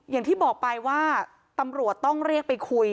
อย่างที่บอกไปว่าตำรวจต้องเรียกไปคุย